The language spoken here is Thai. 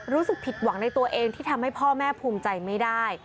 รู้สึกผิดหวังในตัวเองที่ทำให้พ่อแม่ภูมิใจไม่ได้